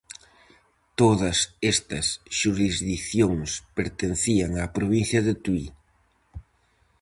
Todas estas xurisdicións pertencían á provincia de Tui.